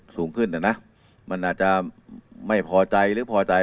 สูงขึ้นนะนะมันอาจจะไม่พอใจหรือพอใจ